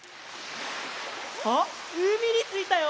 あっうみについたよ！